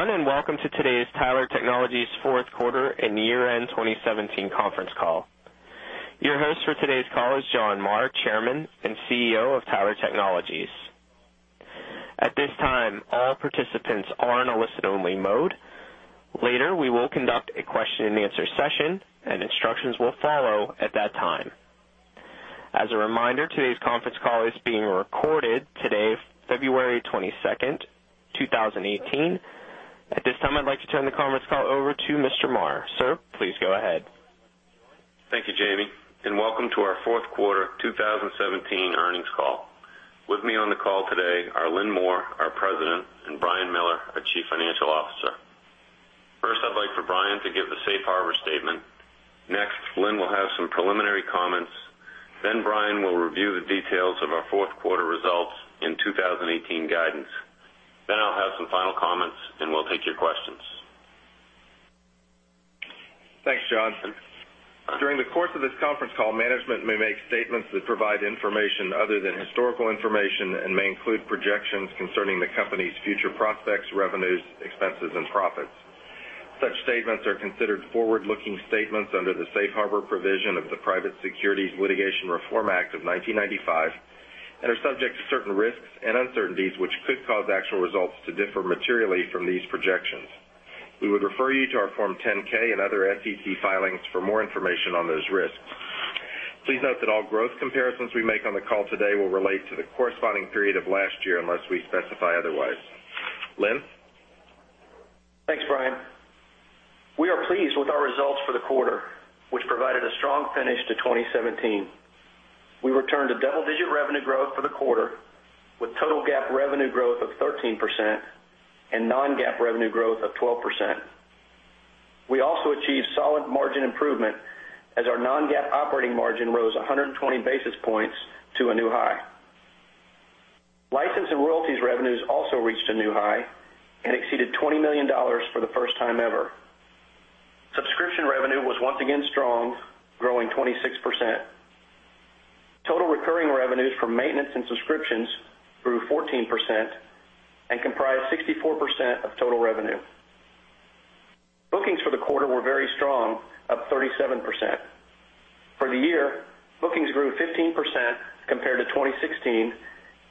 Hello, everyone. Welcome to today's Tyler Technologies fourth quarter and year-end 2017 conference call. Your host for today's call is John Marr, Chairman and Chief Executive Officer of Tyler Technologies. At this time, all participants are in a listen-only mode. Later, we will conduct a question-and-answer session. Instructions will follow at that time. As a reminder, today's conference call is being recorded today, February 22nd, 2018. At this time, I'd like to turn the conference call over to Mr. Marr. Sir, please go ahead. Thank you, Jamie. Welcome to our fourth quarter 2017 earnings call. With me on the call today are Lynn Moore, our President, and Brian Miller, our Chief Financial Officer. First, I'd like for Brian to give the safe harbor statement. Next, Lynn will have some preliminary comments. Brian will review the details of our fourth quarter results in 2018 guidance. I'll have some final comments. We'll take your questions. Thanks, John. During the course of this conference call, management may make statements that provide information other than historical information and may include projections concerning the company's future prospects, revenues, expenses, and profits. Such statements are considered forward-looking statements under the safe harbor provision of the Private Securities Litigation Reform Act of 1995 and are subject to certain risks and uncertainties, which could cause actual results to differ materially from these projections. We would refer you to our Form 10-K and other SEC filings for more information on those risks. Please note that all growth comparisons we make on the call today will relate to the corresponding period of last year unless we specify otherwise. Lynn? Thanks, Brian. We are pleased with our results for the quarter, which provided a strong finish to 2017. We returned to double-digit revenue growth for the quarter, with total GAAP revenue growth of 13% and non-GAAP revenue growth of 12%. We also achieved solid margin improvement as our non-GAAP operating margin rose 120 basis points to a new high. License and royalties revenues also reached a new high and exceeded $20 million for the first time ever. Subscription revenue was once again strong, growing 26%. Total recurring revenues from maintenance and subscriptions grew 14% and comprised 64% of total revenue. Bookings for the quarter were very strong, up 37%. For the year, bookings grew 15% compared to 2016,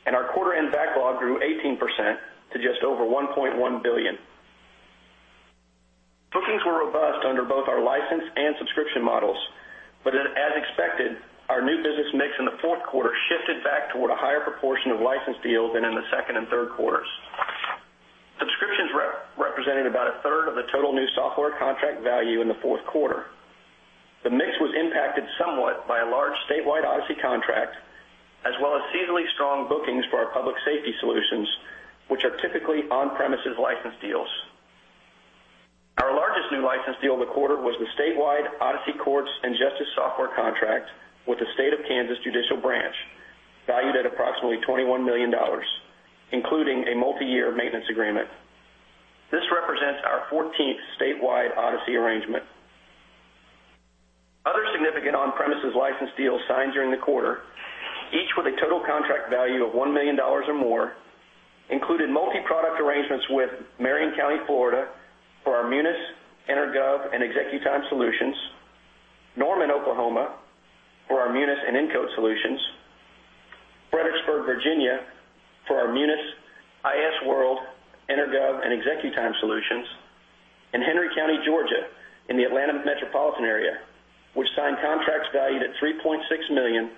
and our quarter-end backlog grew 18% to just over $1.1 billion. Bookings were robust under both our license and subscription models, but as expected, our new business mix in the fourth quarter shifted back toward a higher proportion of license deals than in the second and third quarters. Subscriptions represented about a third of the total new software contract value in the fourth quarter. The mix was impacted somewhat by a large statewide Odyssey contract, as well as seasonally strong bookings for our public safety solutions, which are typically on-premises license deals. Our largest new license deal of the quarter was the statewide Odyssey Courts and Justice software contract with the State of Kansas Judicial Branch, valued at approximately $21 million, including a multiyear maintenance agreement. This represents our 14th statewide Odyssey arrangement. Other significant on-premises license deals signed during the quarter, each with a total contract value of $1 million or more, included multi-product arrangements with Marion County, Florida, for our Munis, EnerGov, and ExecuTime solutions. Norman, Oklahoma, for our Munis and Incode solutions. Fredericksburg, Virginia, for our Munis, iasWorld, EnerGov, and ExecuTime solutions. Henry County, Georgia, in the Atlanta metropolitan area, which signed contracts valued at $3.6 million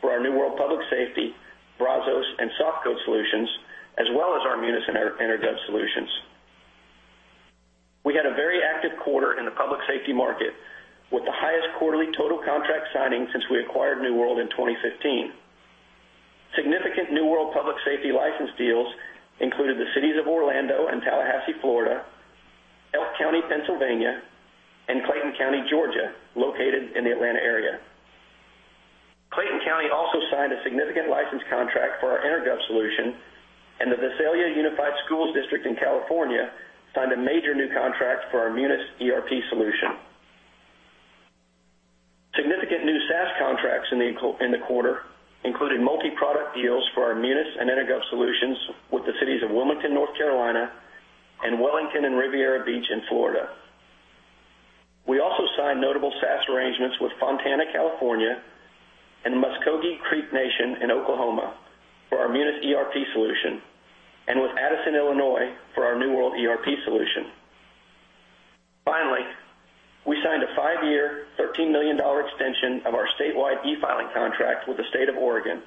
for our New World Public Safety, Brazos, and SoftCode solutions, as well as our Munis and EnerGov solutions. We had a very active quarter in the public safety market, with the highest quarterly total contract signing since we acquired New World in 2015. Significant New World Public Safety license deals included the cities of Orlando and Tallahassee, Florida, Elk County, Pennsylvania, and Clayton County, Georgia, located in the Atlanta area. Clayton County also signed a significant license contract for our EnerGov solution, and the Visalia Unified School District in California signed a major new contract for our Munis ERP solution. Significant new SaaS contracts in the quarter included multi-product deals for our Munis and EnerGov solutions with the cities of Wilmington, North Carolina, and Wellington and Riviera Beach in Florida. We also signed notable SaaS arrangements with Fontana, California, and Muscogee Creek Nation in Oklahoma for our Munis ERP solution, and with Addison, Illinois, for our New World ERP solution. Finally, we signed a five-year, $13 million extension of our statewide e-filing contract with the State of Oregon,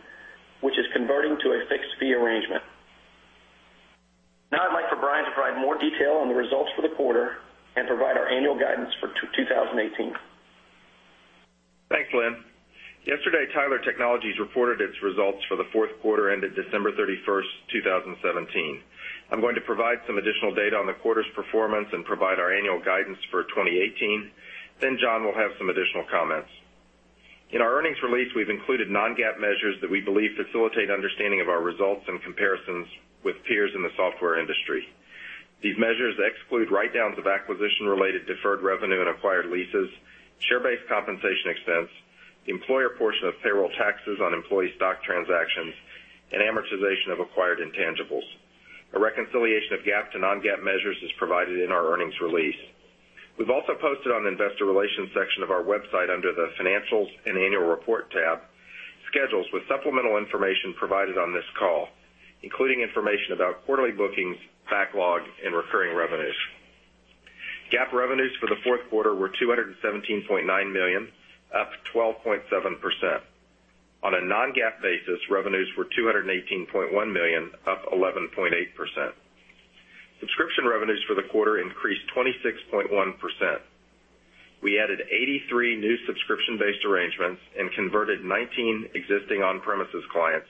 which is converting to a fixed-fee arrangement. Now I'd like for Brian to provide more detail on the results for the quarter and provide our annual guidance for 2018. Thanks, Lynn. Yesterday, Tyler Technologies reported its results for the fourth quarter ended December 31st, 2017. I'm going to provide some additional data on the quarter's performance and provide our annual guidance for 2018. John will have some additional comments. In our earnings release, we've included non-GAAP measures that we believe facilitate understanding of our results and comparisons with peers in the software industry. These measures exclude write-downs of acquisition-related deferred revenue and acquired leases, share-based compensation expense, the employer portion of payroll taxes on employee stock transactions and amortization of acquired intangibles. A reconciliation of GAAP to non-GAAP measures is provided in our earnings release. We've also posted on the investor relations section of our website under the financials and annual report tab, schedules with supplemental information provided on this call, including information about quarterly bookings, backlog, and recurring revenues. GAAP revenues for the fourth quarter were $217.9 million, up 12.7%. On a non-GAAP basis, revenues were $218.1 million, up 11.8%. Subscription revenues for the quarter increased 26.1%. We added 83 new subscription-based arrangements and converted 19 existing on-premises clients,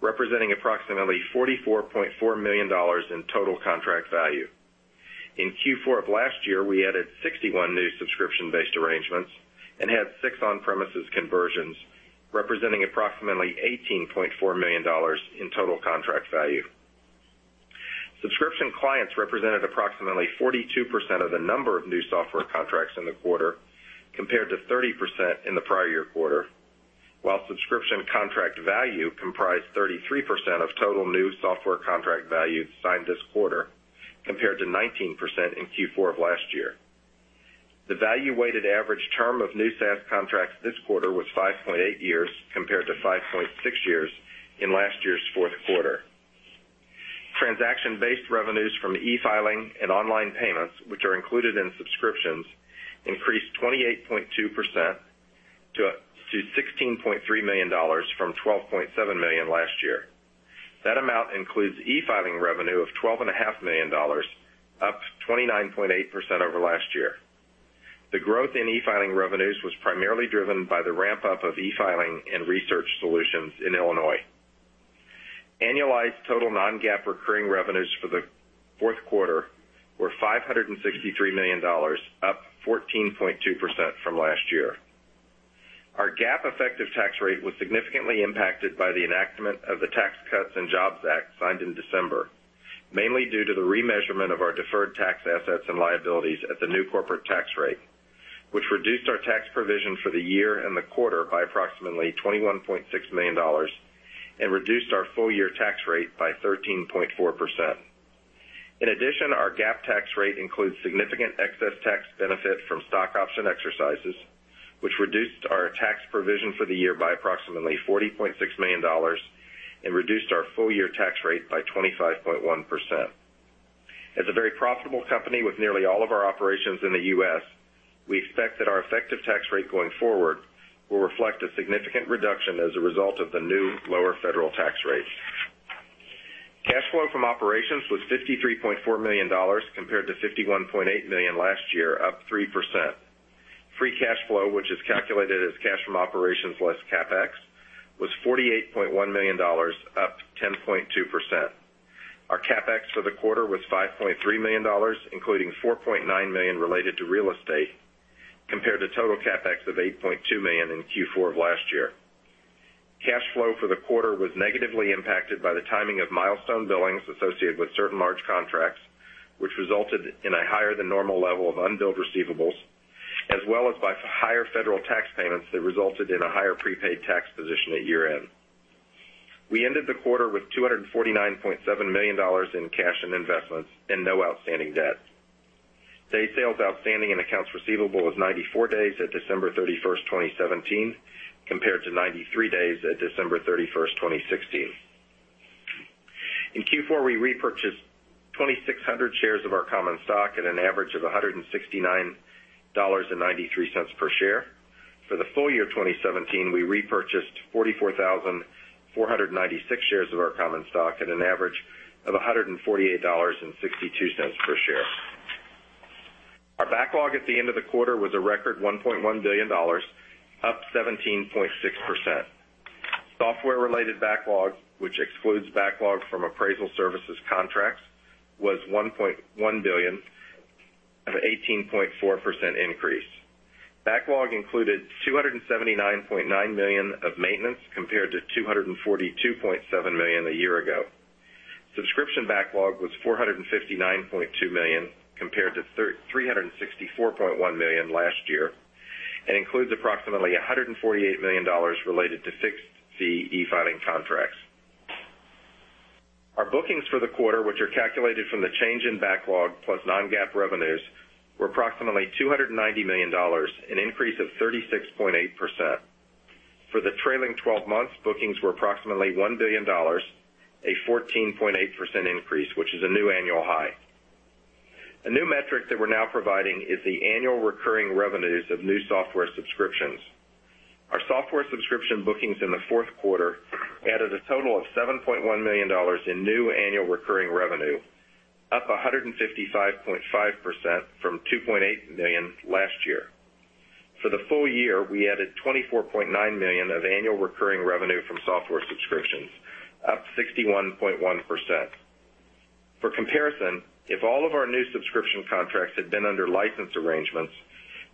representing approximately $44.4 million in total contract value. In Q4 of last year, we added 61 new subscription-based arrangements and had six on-premises conversions, representing approximately $18.4 million in total contract value. Subscription clients represented approximately 42% of the number of new software contracts in the quarter, compared to 30% in the prior year quarter, while subscription contract value comprised 33% of total new software contract value signed this quarter compared to 19% in Q4 of last year. The value weighted average term of new SaaS contracts this quarter was 5.8 years compared to 5.6 years in last year's fourth quarter. Transaction-based revenues from e-filing and online payments, which are included in subscriptions, increased 28.2% to $16.3 million from $12.7 million last year. That amount includes e-filing revenue of $12.5 million, up 29.8% over last year. The growth in e-filing revenues was primarily driven by the ramp-up of e-filing and research solutions in Illinois. Annualized total non-GAAP recurring revenues for the fourth quarter were $563 million, up 14.2% from last year. Our GAAP effective tax rate was significantly impacted by the enactment of the Tax Cuts and Jobs Act signed in December, mainly due to the remeasurement of our deferred tax assets and liabilities at the new corporate tax rate, which reduced our tax provision for the year and the quarter by approximately $21.6 million and reduced our full-year tax rate by 13.4%. In addition, our GAAP tax rate includes significant excess tax benefit from stock option exercises, which reduced our tax provision for the year by approximately $40.6 million and reduced our full-year tax rate by 25.1%. As a very profitable company with nearly all of our operations in the U.S., we expect that our effective tax rate going forward will reflect a significant reduction as a result of the new lower federal tax rate. Cash flow from operations was $53.4 million, compared to $51.8 million last year, up 3%. Free cash flow, which is calculated as cash from operations less CapEx, was $48.1 million, up 10.2%. Our CapEx for the quarter was $5.3 million, including $4.9 million related to real estate, compared to total CapEx of $8.2 million in Q4 of last year. Cash flow for the quarter was negatively impacted by the timing of milestone billings associated with certain large contracts, which resulted in a higher than normal level of unbilled receivables, as well as by higher federal tax payments that resulted in a higher prepaid tax position at year-end. We ended the quarter with $249.7 million in cash and investments and no outstanding debt. Day sales outstanding and accounts receivable was 94 days at December 31st, 2017, compared to 93 days at December 31st, 2016. In Q4, we repurchased 2,600 shares of our common stock at an average of $169.93 per share. For the full year 2017, we repurchased 44,496 shares of our common stock at an average of $148.62 per share. Our backlog at the end of the quarter was a record $1.1 billion, up 17.6%. Software-related backlog, which excludes backlog from appraisal services contracts, was $1.1 billion, an 18.4% increase. Backlog included $279.9 million of maintenance compared to $242.7 million a year ago. Subscription backlog was $459.2 million, compared to $364.1 million last year, and includes approximately $148 million related to fixed fee e-filing contracts. Our bookings for the quarter, which are calculated from the change in backlog plus non-GAAP revenues, were approximately $290 million, an increase of 36.8%. For the trailing 12 months, bookings were approximately $1 billion, a 14.8% increase, which is a new annual high. A new metric that we're now providing is the annual recurring revenues of new software subscriptions. Our software subscription bookings in the fourth quarter added a total of $7.1 million in new annual recurring revenue, up 155.5% from $2.8 million last year. For the full year, we added $24.9 million of annual recurring revenue from software subscriptions, up 61.1%. For comparison, if all of our new subscription contracts had been under license arrangements,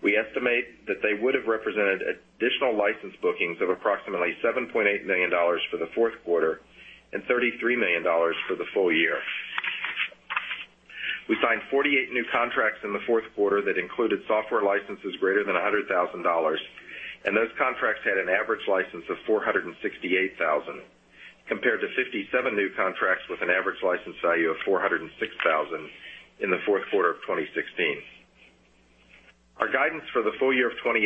we estimate that they would have represented additional license bookings of approximately $7.8 million for the fourth quarter and $33 million for the full year. We signed 48 new contracts in the fourth quarter that included software licenses greater than $100,000, and those contracts had an average license of $468,000, compared to 57 new contracts with an average license value of $406,000 in the fourth quarter of 2016. Our guidance for the full year of 2018,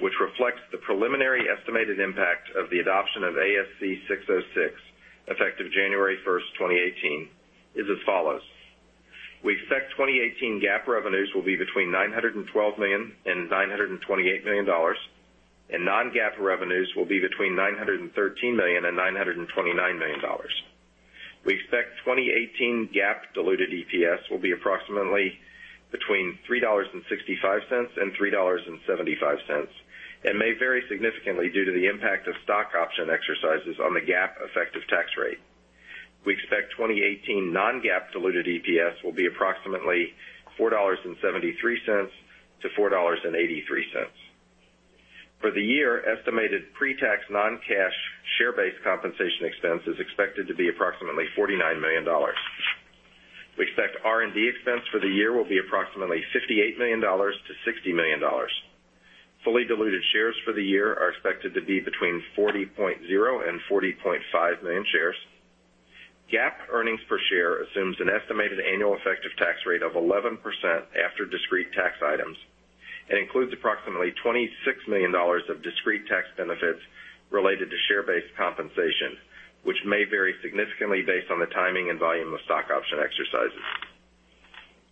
which reflects the preliminary estimated impact of the adoption of ASC 606, effective January 1st, 2018, is as follows. We expect 2018 GAAP revenues will be between $912 million and $928 million, and non-GAAP revenues will be between $913 million and $929 million. We expect 2018 GAAP diluted EPS will be approximately between $3.65 and $3.75, and may vary significantly due to the impact of stock option exercises on the GAAP effective tax rate. We expect 2018 non-GAAP diluted EPS will be approximately $4.73 to $4.83. For the year, estimated pre-tax non-cash share-based compensation expense is expected to be approximately $49 million. We expect R&D expense for the year will be approximately $58 million-$60 million. Fully diluted shares for the year are expected to be between 40.0 and 40.5 million shares. GAAP earnings per share assumes an estimated annual effective tax rate of 11% after discrete tax items and includes approximately $26 million of discrete tax benefits related to share-based compensation, which may vary significantly based on the timing and volume of stock option exercises.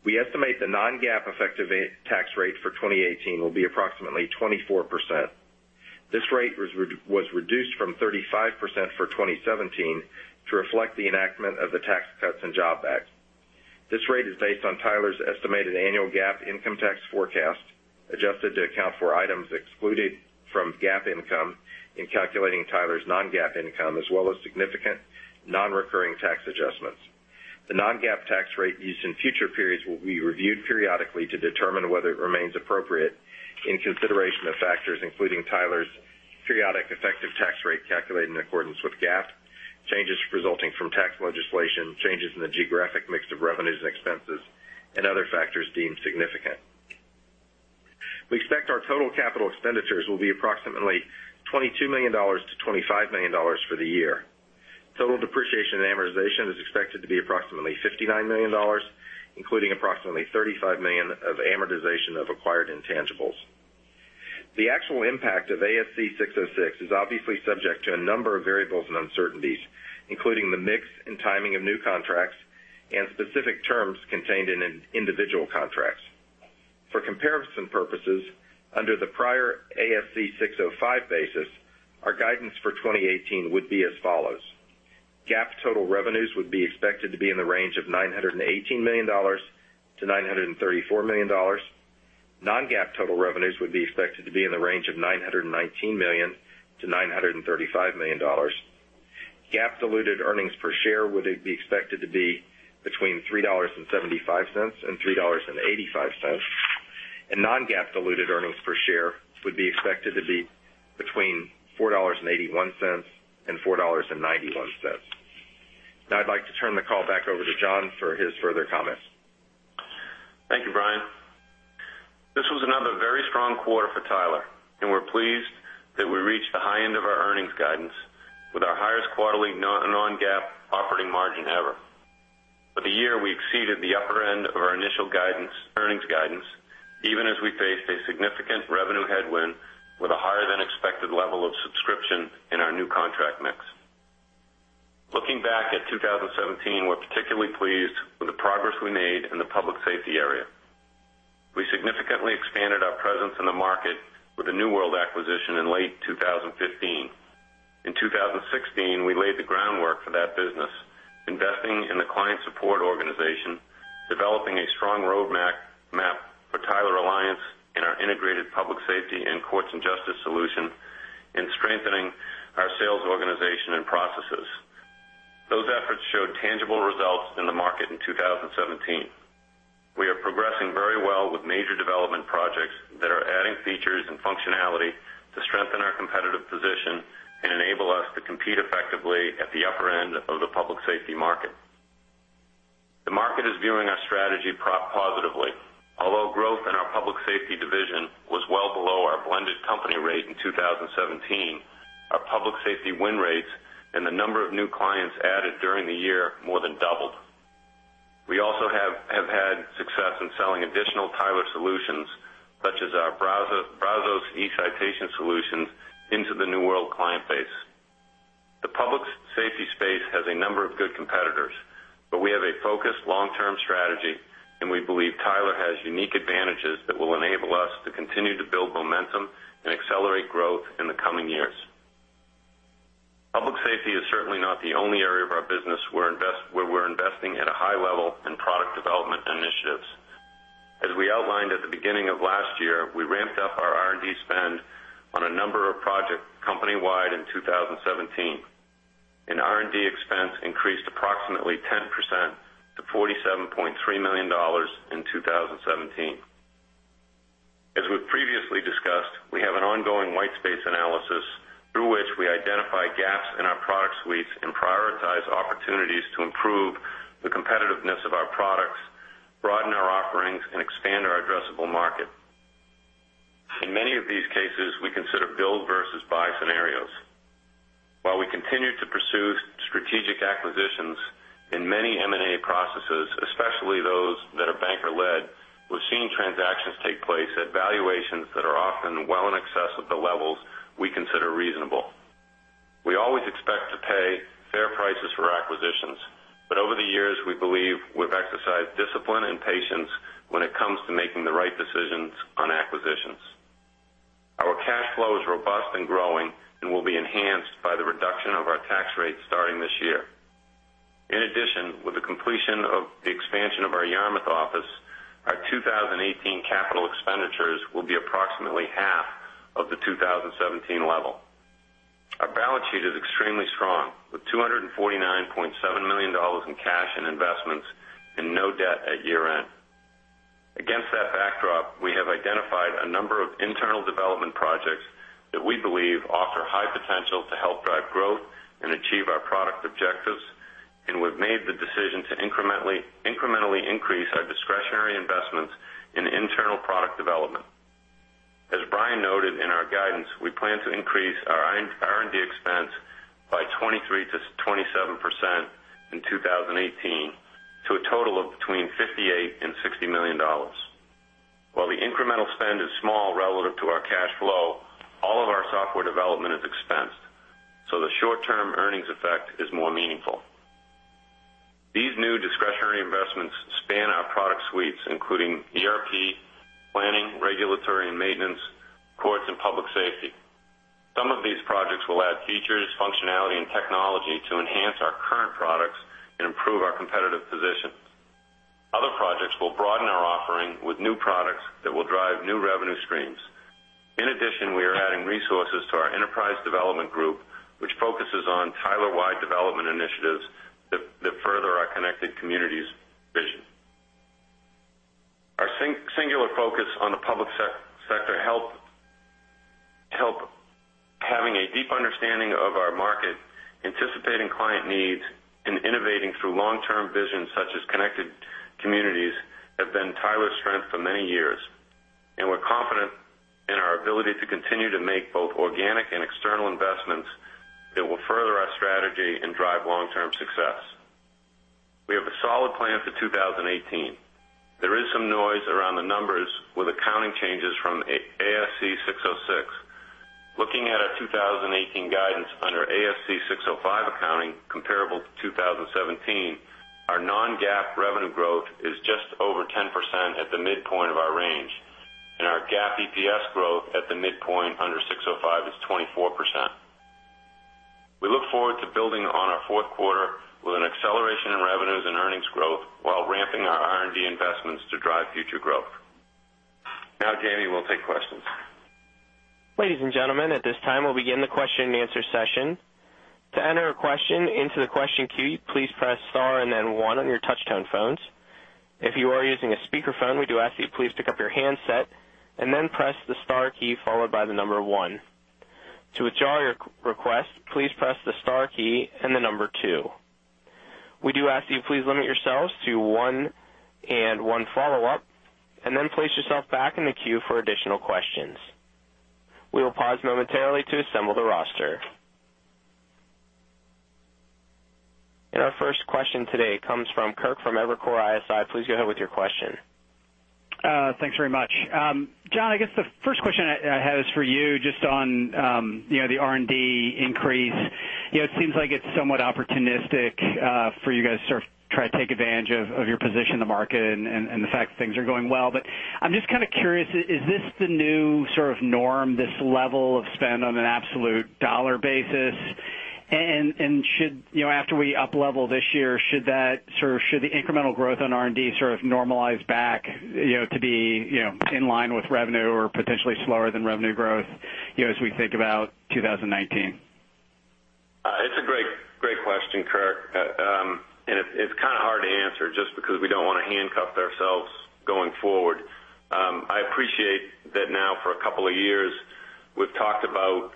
We estimate the non-GAAP effective tax rate for 2018 will be approximately 24%. This rate was reduced from 35% for 2017 to reflect the enactment of the Tax Cuts and Jobs Act. This rate is based on Tyler's estimated annual GAAP income tax forecast, adjusted to account for items excluded from GAAP income in calculating Tyler's non-GAAP income, as well as significant non-recurring tax adjustments. The non-GAAP tax rate used in future periods will be reviewed periodically to determine whether it remains appropriate in consideration of factors including Tyler's periodic effective tax rate calculated in accordance with GAAP, changes resulting from tax legislation, changes in the geographic mix of revenues and expenses, and other factors deemed significant. We expect our total capital expenditures will be approximately $22 million-$25 million for the year. Total depreciation and amortization is expected to be approximately $59 million, including approximately $35 million of amortization of acquired intangibles. The actual impact of ASC 606 is obviously subject to a number of variables and uncertainties, including the mix and timing of new contracts and specific terms contained in individual contracts. For comparison purposes, under the prior ASC 605 basis, our guidance for 2018 would be as follows. GAAP total revenues would be expected to be in the range of $918 million to $934 million. Non-GAAP total revenues would be expected to be in the range of $919 million to $935 million. GAAP diluted earnings per share would be expected to be between $3.75 and $3.85. Non-GAAP diluted earnings per share would be expected to be between $4.81 and $4.91. I'd like to turn the call back over to John for his further comments. Thank you, Brian. This was another very strong quarter for Tyler, and we're pleased that we reached the high end of our earnings guidance with our highest quarterly non-GAAP operating margin ever. For the year, we exceeded the upper end of our initial earnings guidance, even as we faced a significant revenue headwind with a higher-than-expected level of subscription in our new contract mix. Looking back at 2017, we're particularly pleased with the progress we made in the public safety area. We significantly expanded our presence in the market with the New World acquisition in late 2015. In 2016, we laid the groundwork for that business, investing in the client support organization, developing a strong roadmap for Tyler Alliance in our integrated public safety and courts and justice solution, and strengthening our sales organization and processes. Those efforts showed tangible results in the market in 2017. We are progressing very well with major development projects that are adding features and functionality to strengthen our competitive position and enable us to compete effectively at the upper end of the public safety market. The market is viewing our strategy positively. Although growth in our public safety division was well below our blended company rate in 2017, our public safety win rates and the number of new clients added during the year more than doubled. We also have had success in selling additional Tyler solutions, such as our Brazos eCitation solution into the New World client base. The public safety space has a number of good competitors, but we have a focused long-term strategy, and we believe Tyler has unique advantages that will enable us to continue to build momentum and accelerate growth in the coming years. Public safety is certainly not the only area of our business where we're investing at a high level in product development initiatives. As we outlined at the beginning of last year, we ramped up our R&D spend on a number of projects company-wide in 2017, and R&D expense increased approximately 10% to $47.3 million in 2017. Prioritize opportunities to improve the competitiveness of our products, broaden our offerings, and expand our addressable market. In many of these cases, we consider build versus buy scenarios. While we continue to pursue strategic acquisitions in many M&A processes, especially those that are banker-led, we're seeing transactions take place at valuations that are often well in excess of the levels we consider reasonable. We always expect to pay fair prices for acquisitions. Over the years, we believe we've exercised discipline and patience when it comes to making the right decisions on acquisitions. Our cash flow is robust and growing and will be enhanced by the reduction of our tax rate starting this year. In addition, with the completion of the expansion of our Yarmouth office, our 2018 capital expenditures will be approximately half of the 2017 level. Our balance sheet is extremely strong, with $249.7 million in cash and investments and no debt at year-end. Against that backdrop, we have identified a number of internal development projects that we believe offer high potential to help drive growth and achieve our product objectives, and we've made the decision to incrementally increase our discretionary investments in internal product development. As Brian noted in our guidance, we plan to increase our R&D expense by 23%-27% in 2018, to a total of between $58 and $60 million. While the incremental spend is small relative to our cash flow, all of our software development is expensed, so the short-term earnings effect is more meaningful. These new discretionary investments span our product suites, including ERP, planning, regulatory and maintenance, courts, and public safety. Some of these projects will add features, functionality, and technology to enhance our current products and improve our competitive position. Other projects will broaden our offering with new products that will drive new revenue streams. In addition, we are adding resources to our enterprise development group, which focuses on Tyler-wide development initiatives that further our Connected Communities vision. Our singular focus on the public sector helps having a deep understanding of our market, anticipating client needs, and innovating through long-term visions such as Connected Communities, have been Tyler's strength for many years, and we're confident in our ability to continue to make both organic and external investments that will further our strategy and drive long-term success. We have a solid plan for 2018. There is some noise around the numbers with accounting changes from ASC 606. Looking at our 2018 guidance under ASC 605 accounting comparable to 2017, our non-GAAP revenue growth is just over 10% at the midpoint of our range, and our GAAP EPS growth at the midpoint under 605 is 24%. We look forward to building on our fourth quarter with an acceleration in revenues and earnings growth while ramping our R&D investments to drive future growth. Jamie will take questions. Ladies and gentlemen, at this time, we'll begin the question and answer session. To enter a question into the question queue, please press star and then one on your touchtone phones. If you are using a speakerphone, we do ask that you please pick up your handset and then press the star key followed by the number one. To withdraw your request, please press the star key and the number two. We do ask that you please limit yourselves to one and one follow-up, and then place yourself back in the queue for additional questions. We will pause momentarily to assemble the roster. Our first question today comes from Kirk from Evercore ISI. Please go ahead with your question. Thanks very much. John, I guess the first question I had is for you, just on the R&D increase. It seems like it's somewhat opportunistic for you guys to try to take advantage of your position in the market and the fact that things are going well. I'm just curious, is this the new norm, this level of spend on an absolute dollar basis? After we up-level this year, should the incremental growth on R&D normalize back to be in line with revenue or potentially slower than revenue growth, as we think about 2019? It's a great question, Kirk. It's hard to answer just because we don't want to handcuff ourselves going forward. I appreciate that now for a couple of years, we've talked about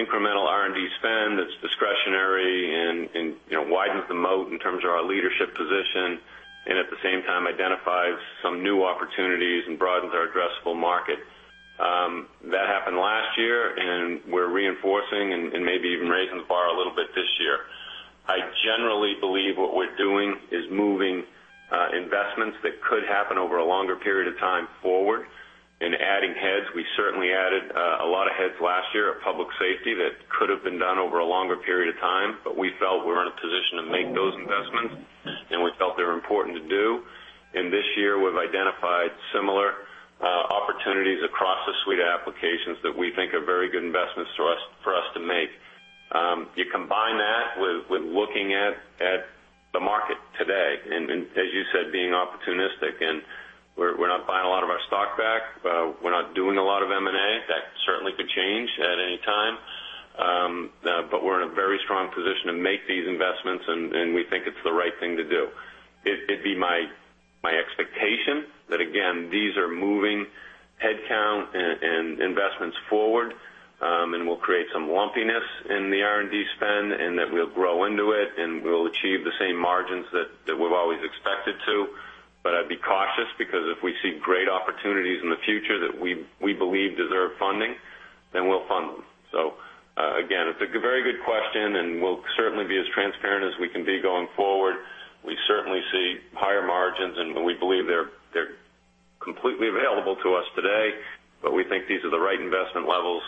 incremental R&D spend that's discretionary and widens the moat in terms of our leadership position, and at the same time identifies some new opportunities and broadens our addressable market. That happened last year, and we're reinforcing and maybe even raising the bar a little bit this year. I generally believe what we're doing is moving investments that could happen over a longer period of time forward and adding heads. We certainly added a lot of heads last year at Public Safety that could have been done over a longer period of time, but we felt we were in a position to make those investments, and we felt they were important to do. This year, we've identified similar opportunities across the suite of applications that we think are very good investments for us to make. You combine that with looking at the market today, as you said, being opportunistic, we're not buying a lot of our stock back. We're not doing a lot of M&A. That certainly could change at any time. We're in a very strong position to make these investments, and we think it's the right thing to do. It'd be my expectation that, again, these are moving headcount and investments forward, and we'll create some lumpiness in the R&D spend, and that we'll grow into it, and we'll achieve the same margins that we've always expected to. I'd be cautious because if we see great opportunities in the future that we believe deserve funding, then we'll fund them. Again, it's a very good question, and we'll certainly be as transparent as we can be going forward. We certainly see higher margins, and we believe they're completely available to us today, but we think these are the right investment levels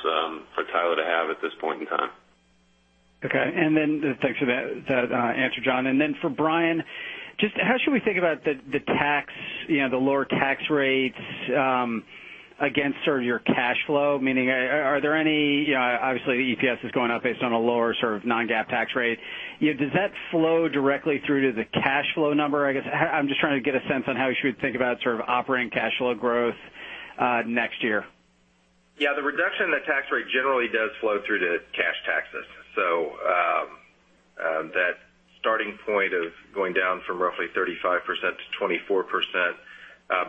for Tyler to have at this point in time. Okay. Thanks for that answer, John Marr. For Brian Miller, just how should we think about the lower tax rates against your cash flow? Meaning, obviously, the EPS is going up based on a lower sort of non-GAAP tax rate. Does that flow directly through to the cash flow number? I guess I'm just trying to get a sense on how we should think about operating cash flow growth next year. Yeah. The reduction in the tax rate generally does flow through to cash taxes. That starting point of going down from roughly 35% to 24%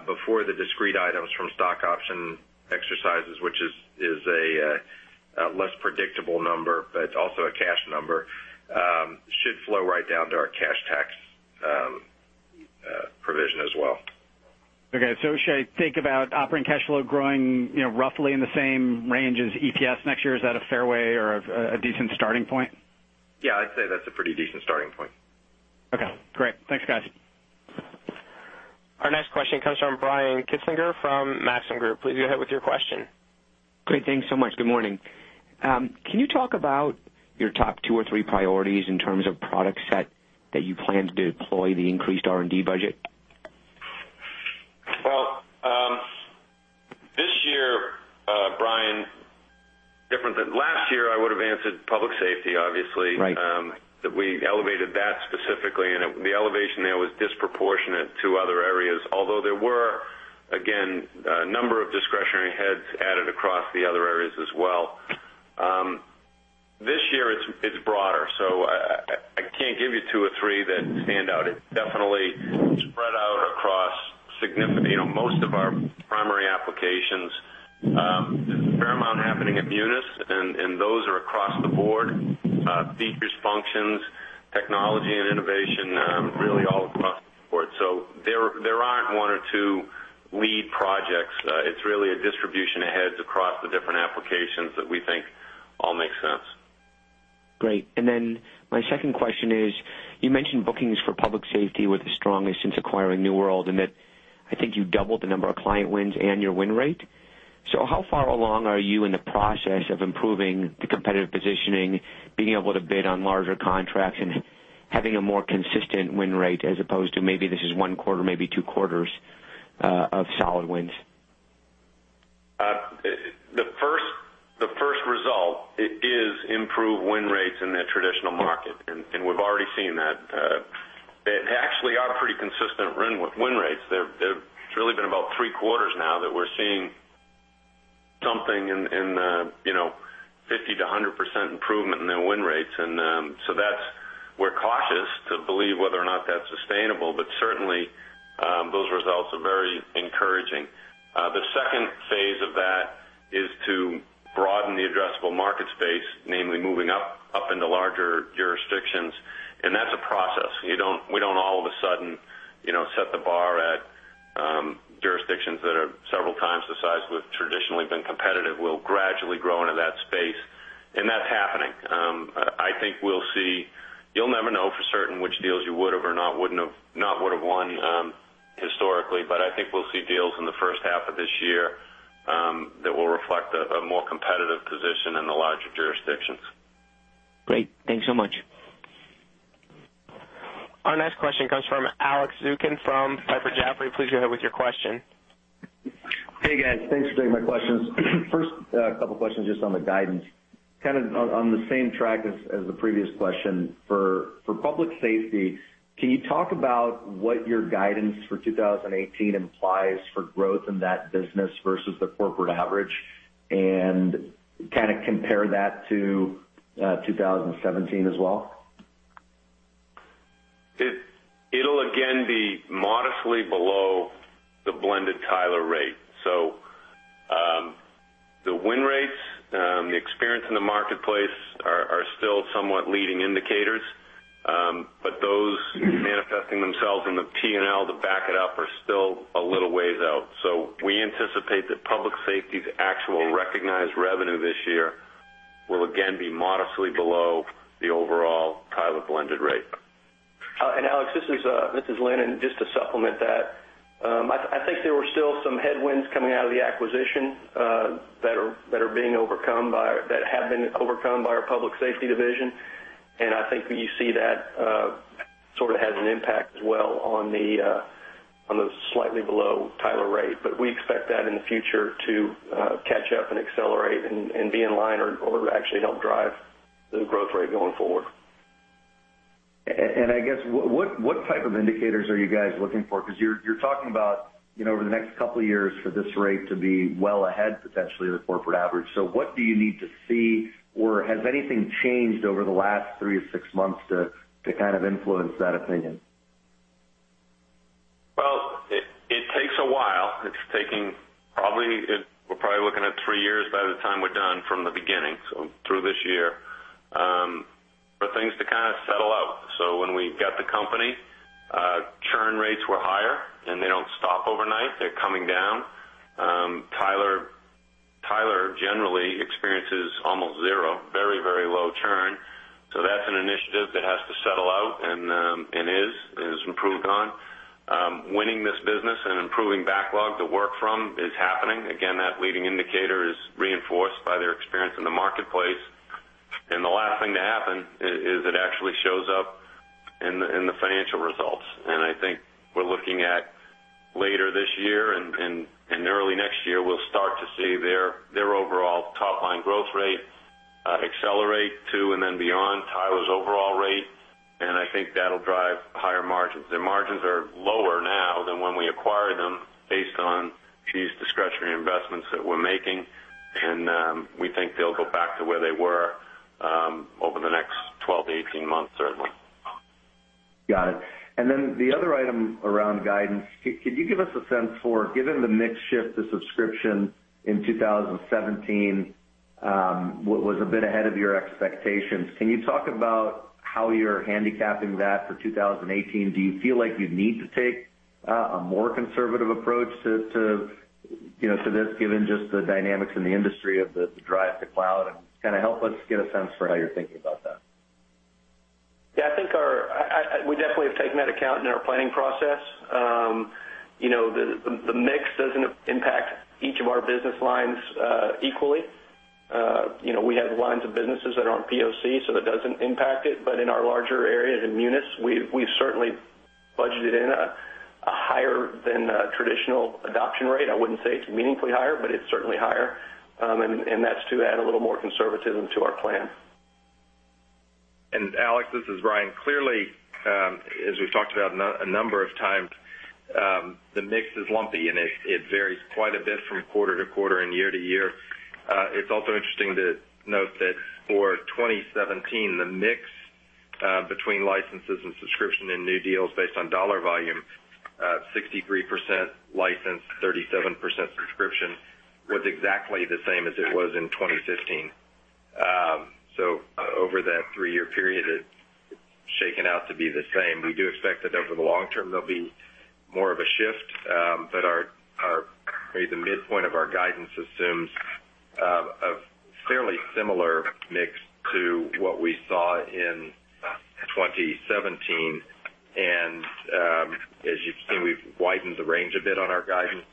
before the discrete items from stock option exercises, which is a less predictable number, but also a cash number, should flow right down to our cash tax provision as well. Okay. Should I think about operating cash flow growing roughly in the same range as EPS next year? Is that a fair way or a decent starting point? Yeah, I'd say that's a pretty decent starting point. Okay, great. Thanks, guys. Our next question comes from Brian Kinstlinger from Maxim Group. Please go ahead with your question. Great. Thanks so much. Good morning. Can you talk about your top two or three priorities in terms of product set that you plan to deploy the increased R&D budget? Well, this year, Brian, different than last year, I would've answered public safety, obviously. Right. We elevated that specifically, the elevation there was disproportionate to other areas, although there were, again, a number of discretionary heads added across the other areas as well. This year, it's broader, so I can't give you two or three that stand out. It definitely spread out across most of our primary applications. There's a fair amount happening at Munis, those are across the board. Features, functions, technology and innovation, really all across the board. There aren't one or two lead projects. It's really a distribution of heads across the different applications that we think all make sense. Great. My second question is, you mentioned bookings for public safety were the strongest since acquiring New World, that I think you doubled the number of client wins and your win rate. How far along are you in the process of improving the competitive positioning, being able to bid on larger contracts and having a more consistent win rate as opposed to maybe this is one quarter, maybe two quarters of solid wins? The first result is improved win rates in that traditional market, we've already seen that. They actually are pretty consistent win rates. It's really been about three quarters now that we're seeing something in 50%-100% improvement in their win rates. We're cautious to believe whether or not that's sustainable, but certainly, those results are very encouraging. The second phase of that is to broaden the addressable market space, namely moving up into larger jurisdictions. That's a process. We don't all of a sudden set the bar at jurisdictions that are several times the size we've traditionally been competitive. We'll gradually grow into that space, that's happening. I think we'll see, you'll never know for certain which deals you would've or not would've won historically. I think we'll see deals in the first half of this year that will reflect a more competitive position in the larger jurisdictions. Great. Thanks so much. Our next question comes from Alex Zukin from Piper Jaffray. Please go ahead with your question. Hey, guys. Thanks for taking my questions. First couple questions just on the guidance. On the same track as the previous question, for public safety, can you talk about what your guidance for 2018 implies for growth in that business versus the corporate average? Kind of compare that to 2017 as well. It'll again be modestly below the blended Tyler rate. The win rates, the experience in the marketplace are still somewhat leading indicators. Those manifesting themselves in the P&L to back it up are still a little ways out. We anticipate that public safety's actual recognized revenue this year will again be modestly below the overall Tyler blended rate. Alex, this is Lynn. Just to supplement that, I think there were still some headwinds coming out of the acquisition that have been overcome by our public safety division. I think that you see that sort of has an impact as well on the slightly below Tyler rate. We expect that in the future to catch up and accelerate and be in line or actually help drive the growth rate going forward. I guess what type of indicators are you guys looking for? Because you're talking about over the next couple of years for this rate to be well ahead, potentially, of the corporate average. What do you need to see, or has anything changed over the last 3-6 months to kind of influence that opinion? Well, it takes a while. We're probably looking at three years by the time we're done from the beginning, so through this year, for things to settle out. When we got the company, churn rates were higher, and they don't stop overnight. They're coming down. Tyler generally experiences almost zero. Very low churn. That's an initiative that has to settle out and is improved on. Winning this business and improving backlog to work from is happening. Again, that leading indicator is reinforced by their experience in the marketplace. The last thing to happen is it actually shows up in the financial results. I think we're looking at later this year and early next year, we'll start to see their overall top-line growth rate accelerate to and then beyond Tyler's overall rate. I think that'll drive higher margins. Their margins are lower now than when we acquired them based on these discretionary investments that we're making. We think they'll go back to where they were over the next 12-18 months, certainly. Got it. The other item around guidance, could you give us a sense for, given the mix shift to subscription in 2017, was a bit ahead of your expectations. Can you talk about how you're handicapping that for 2018? Do you feel like you need to take a more conservative approach to this, given just the dynamics in the industry of the drive to cloud and kind of help us get a sense for how you're thinking about that? Yeah, we definitely have taken that account in our planning process. The mix doesn't impact each of our business lines equally. We have lines of businesses that are on POC, so that doesn't impact it. But in our larger areas, in Munis, we've certainly budgeted in a higher than traditional adoption rate. I wouldn't say it's meaningfully higher, but it's certainly higher. That's to add a little more conservatism to our plan. Alex, this is Brian. Clearly, as we've talked about a number of times, the mix is lumpy, and it varies quite a bit from quarter to quarter and year to year. It's also interesting to note that for 2017, the mix between licenses and subscription and new deals based on dollar volume, 63% license, 37% subscription, was exactly the same as it was in 2015. Over that three-year period, it's shaken out to be the same. We do expect that over the long term, there'll be more of a shift. The midpoint of our guidance assumes a fairly similar mix to what we saw in 2017. As you can see, we've widened the range a bit on our guidance,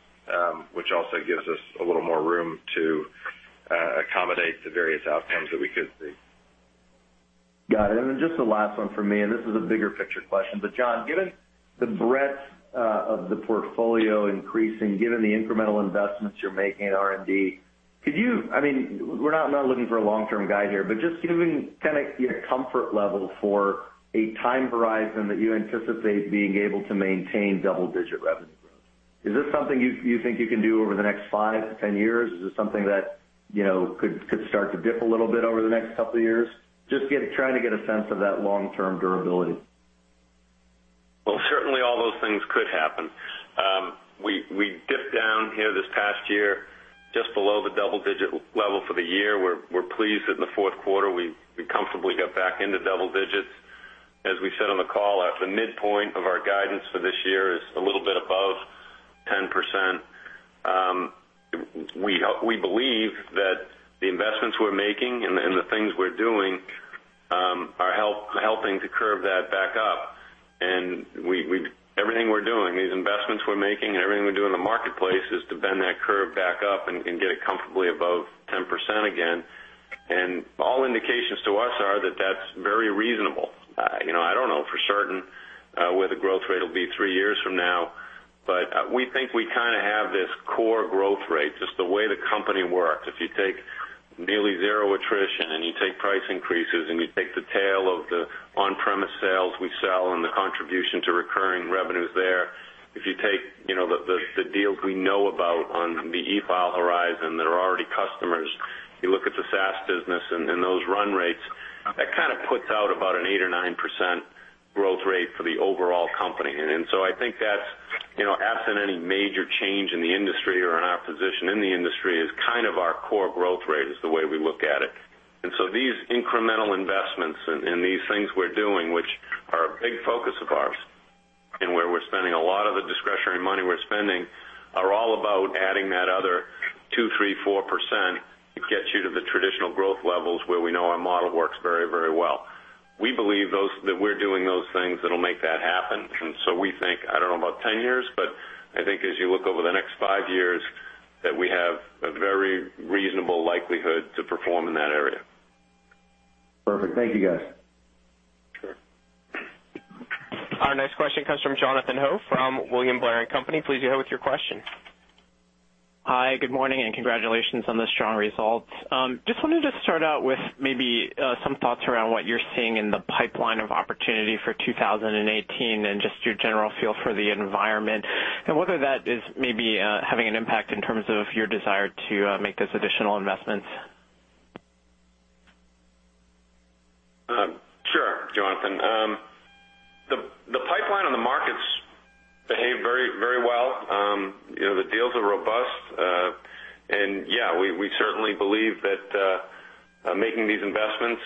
which also gives us a little more room to accommodate the various outcomes that we could see. Got it. Just the last one from me, and this is a bigger picture question. John, given the breadth of the portfolio increasing, given the incremental investments you're making in R&D, we're not looking for a long-term guide here, but just given your comfort level for a time horizon that you anticipate being able to maintain double-digit revenue growth. Is this something you think you can do over the next 5 to 10 years? Is this something that could start to dip a little bit over the next couple of years? Just trying to get a sense of that long-term durability. Certainly all those things could happen. We dipped down here this past year just below the double-digit level for the year. We're pleased that in the fourth quarter, we comfortably got back into double digits. As we said on the call, the midpoint of our guidance for this year is a little bit above 10%. We believe that the investments we're making and the things we're doing are helping to curve that back up. Everything we're doing, these investments we're making, and everything we do in the marketplace is to bend that curve back up and get it comfortably above 10% again. All indications to us are that that's very reasonable. I don't know for certain where the growth rate will be three years from now, but we think we kind of have this core growth rate, just the way the company works. If you take nearly zero attrition and you take price increases and you take the tail of the on-premise sales we sell and the contribution to recurring revenues there, if you take the deals we know about on the e-file horizon that are already customers, you look at the SaaS business and those run rates, that kind of puts out about an 8% or 9% growth rate for the overall company. I think that's, absent any major change in the industry or in our position in the industry, is kind of our core growth rate is the way we look at it. These incremental investments and these things we're doing, which are a big focus of ours, and where we're spending a lot of the discretionary money we're spending, are all about adding that other 2%, 3%, 4% that gets you to the traditional growth levels where we know our model works very well. We believe that we're doing those things that'll make that happen. We think, I don't know about 10 years, but I think as you look over the next five years, that we have a very reasonable likelihood to perform in that area. Perfect. Thank you, guys. Sure. Our next question comes from Jonathan Ho from William Blair & Company. Please go ahead with your question. Hi, good morning. Congratulations on the strong results. Just wanted to start out with maybe some thoughts around what you're seeing in the pipeline of opportunity for 2018 and just your general feel for the environment, whether that is maybe having an impact in terms of your desire to make those additional investments. Sure, Jonathan. The pipeline and the markets behave very well. The deals are robust. Yeah, we certainly believe that making these investments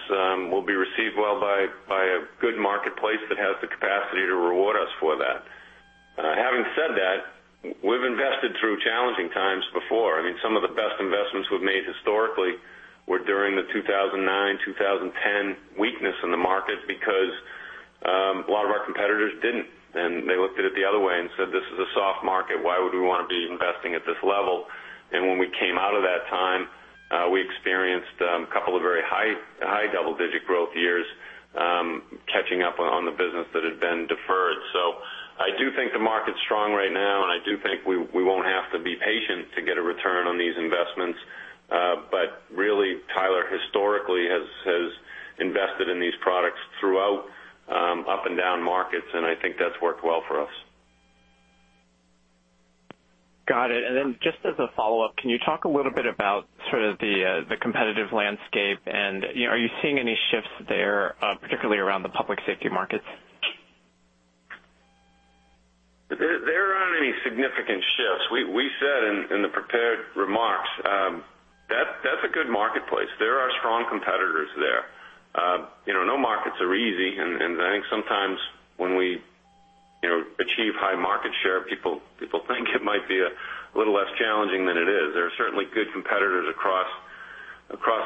will be received well by a good marketplace that has the capacity to reward us for that. Having said that, we've invested through challenging times before. Some of the best investments we've made historically were during the 2009, 2010 weakness in the market because a lot of our competitors didn't. They looked at it the other way and said, "This is a soft market. Why would we want to be investing at this level?" When we came out of that time, we experienced a couple of very high double-digit growth years catching up on the business that had been deferred. I do think the market's strong right now. I do think we won't have to be patient to get a return on these investments. Really, Tyler historically has invested in these products throughout up and down markets. I think that's worked well for us. Got it. Just as a follow-up, can you talk a little bit about sort of the competitive landscape, and are you seeing any shifts there, particularly around the Public Safety markets? There aren't any significant shifts. We said in the prepared remarks, that's a good marketplace. There are strong competitors there. No markets are easy, and I think sometimes when we achieve high market share, people think it might be a little less challenging than it is. There are certainly good competitors across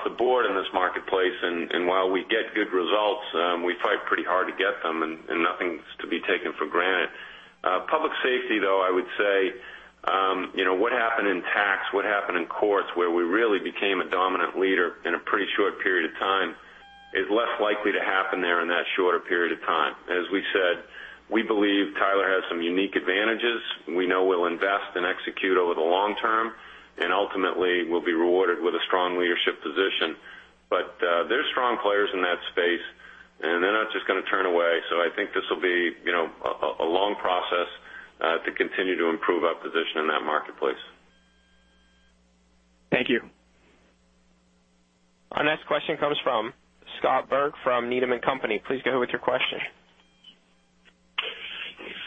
the board in this marketplace, and while we get good results, we fight pretty hard to get them, and nothing's to be taken for granted. Public Safety, though, I would say, what happened in tax, what happened in courts, where we really became a dominant leader in a pretty short period of time, is less likely to happen there in that shorter period of time. As we said, we believe Tyler has some unique advantages. We know we'll invest and execute over the long term, and ultimately, we'll be rewarded with a strong leadership position. There are strong players in that space, and they're not just going to turn away. I think this will be a long process to continue to improve our position in that marketplace. Thank you. Our next question comes from Scott Berg from Needham & Company. Please go ahead with your question.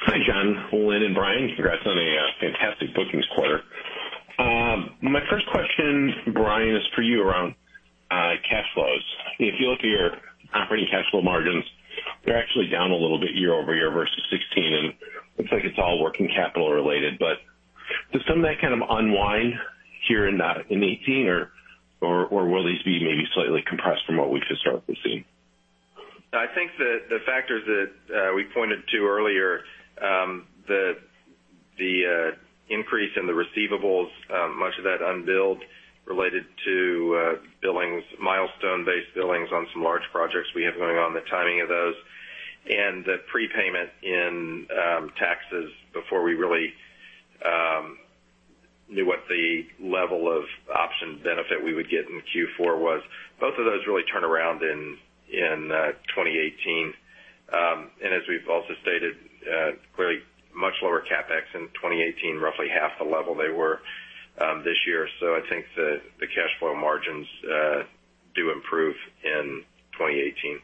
Hi, John, Lynn, and Brian. Congrats on a fantastic bookings quarter. My first question, Brian, is for you around cash flows. If you look at your operating cash flow margins, they're actually down a little bit year-over-year versus 2016, and looks like it's all working capital related. Does some of that kind of unwind here in 2018, or will these be maybe slightly compressed from what we've historically seen? I think that the factors that we pointed to earlier, the increase in the receivables, much of that unbilled related to milestone-based billings on some large projects we have going on, the timing of those, and the prepayment in taxes before we really knew what the level of option benefit we would get in Q4 was. Both of those really turn around in 2018. As we've also stated, clearly much lower CapEx in 2018, roughly half the level they were this year. I think the cash flow margins do improve in 2018.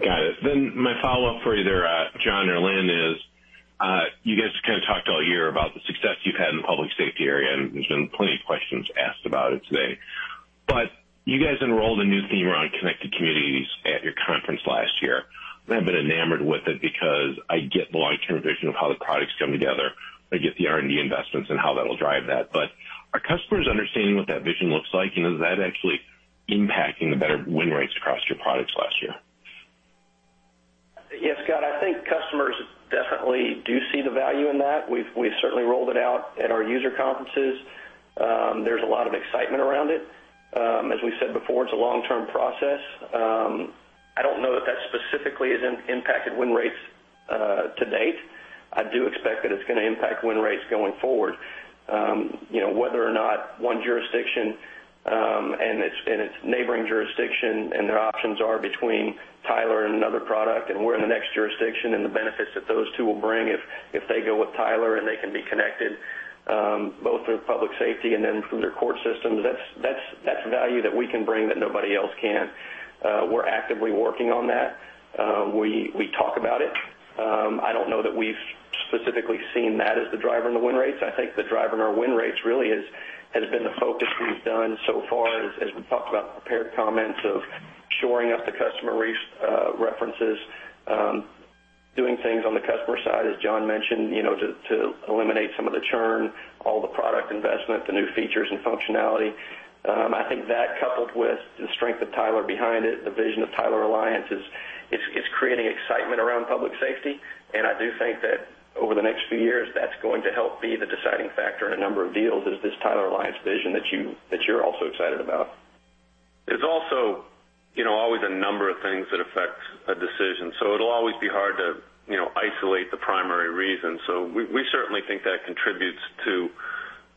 Got it. My follow-up for either John or Lynn is, you guys kind of talked all year about the success you've had in the public safety area, and there's been plenty of questions asked about it today. You guys enrolled a new theme around Connected Communities at your conference last year. I've been enamored with it because I get the long-term vision of how the products come together. I get the R&D investments and how that'll drive that. Are customers understanding what that vision looks like? Is that actually impacting the better win rates across your products last year? Yes, Scott, I think customers definitely do see the value in that. We've certainly rolled it out at our user conferences. There's a lot of excitement around it. As we said before, it's a long-term process. I don't know that that specifically has impacted win rates to date. I do expect that it's going to impact win rates going forward. Whether or not one jurisdiction and its neighboring jurisdiction and their options are between Tyler and another product, and we're in the next jurisdiction and the benefits that those two will bring if they go with Tyler and they can be connected, both through public safety and then through their court systems, that's value that we can bring that nobody else can. We're actively working on that. We talk about it. I don't know that we've specifically seen that as the driver in the win rates. I think the driver in our win rates really has been the focus we've done so far, as we talked about in the prepared comments, of shoring up the customer references, doing things on the customer side, as John mentioned, to eliminate some of the churn, all the product investment, the new features and functionality. I think that coupled with the strength of Tyler behind it, the vision of Tyler Alliance, it's creating excitement around public safety. I do think that over the next few years, that's going to help be the deciding factor in a number of deals is this Tyler Alliance vision that you're also excited about. There's also always a number of things that affect a decision. It'll always be hard to isolate the primary reason. We certainly think that contributes to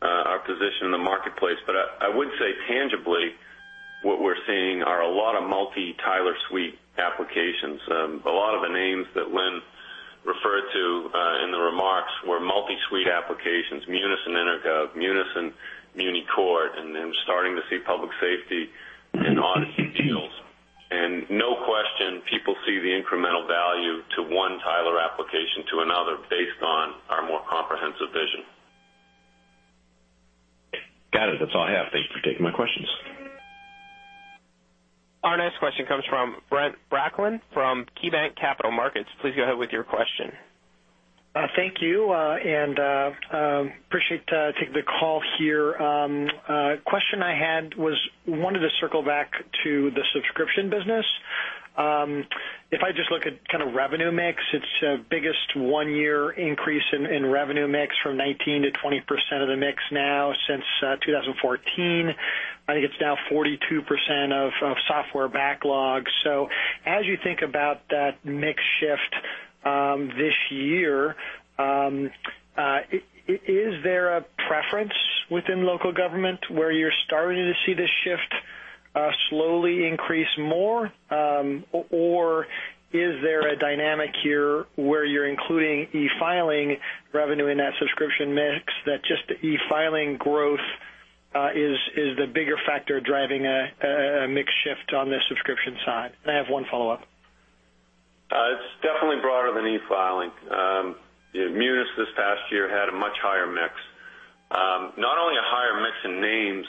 our position in the marketplace. I would say tangibly, what we're seeing are a lot of multi Tyler suite applications. A lot of the names that Lynn Referred to in the remarks were multi-suite applications, Munis and EnerGov, Munis and MuniCourt, and then starting to see public safety and Odyssey deals. No question, people see the incremental value to one Tyler application to another based on our more comprehensive vision. Got it. That's all I have. Thank you for taking my questions. Our next question comes from Brent Bracelin from KeyBanc Capital Markets. Please go ahead with your question. Thank you. Appreciate taking the call here. Question I had was, I wanted to circle back to the subscription business. If I just look at revenue mix, it's the biggest one-year increase in revenue mix from 19%-20% of the mix now since 2014. I think it's now 42% of software backlog. As you think about that mix shift this year, is there a preference within local government where you're starting to see this shift slowly increase more? Or is there a dynamic here where you're including e-filing revenue in that subscription mix, that just the e-filing growth is the bigger factor driving a mix shift on the subscription side? I have one follow-up. It's definitely broader than e-filing. Munis this past year had a much higher mix. Not only a higher mix in names,